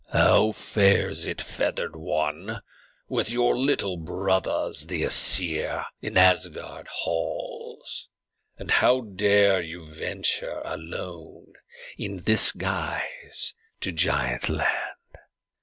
"How fares it, feathered one, with your little brothers, the Æsir, in Asgard halls? And how dare you venture alone in this guise to Giant Land?"